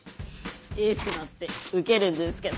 エースだってウケるんですけど。